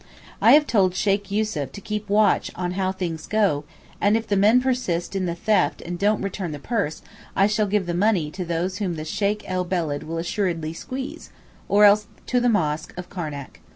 I have told Sheykh Yussuf to keep watch how things go, and if the men persist in the theft and don't return the purse, I shall give the money to those whom the Sheykh el Beled will assuredly squeeze, or else to the mosque of Karnac.